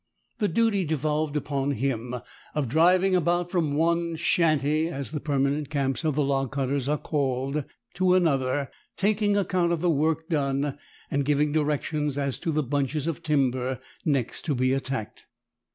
The duty devolved upon him of driving about from one "shanty" (as the permanent camps of the log cutters are called) to another, taking account of the work done, and giving directions as to the bunches of timber next to be attacked.